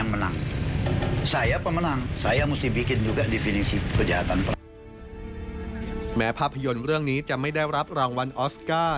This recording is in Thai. แม้ภาพยนตร์เรื่องนี้จะไม่ได้รับรางวัลออสการ์